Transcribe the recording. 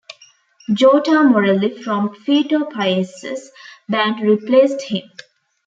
Jota Morelli from Fito Paez's band replaced him.